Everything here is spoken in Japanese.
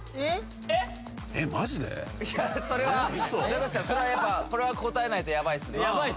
それはやっぱこれは答えないとヤバいっすねなあ